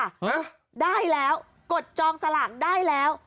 ฮะได้แล้วกดจองสลากได้แล้ว